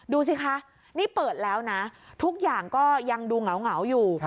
ดูสิคะนี่เปิดแล้วนะทุกอย่างก็ยังดูเหงาอยู่